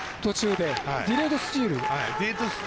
ディレードスチール。